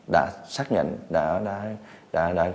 đã xác nhận đã